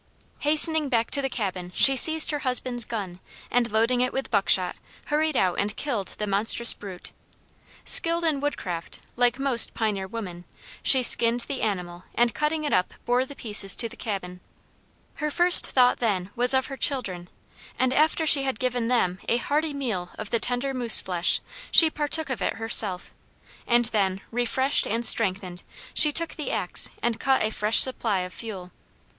Hastening back to the cabin she seized her husband's gun, and loading it with buckshot, hurried out and killed the monstrous brute. Skilled in woodcraft, like most pioneer women, she skinned the animal and cutting it up bore the pieces to the cabin. Her first thought then was of her children, and after she had given them a hearty meal of the tender moose flesh she partook of it herself, and then, refreshed and strengthened, she took the axe and cut a fresh supply of fuel.